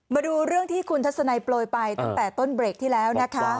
มาดูเรื่องที่คุณทัศนัยโปรยไปตั้งแต่ต้นเบรกที่แล้วนะคะ